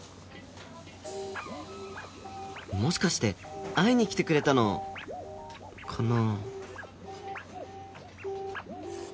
もしかして会いに来てくれたのかな？